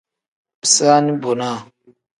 Bisaani bonaa.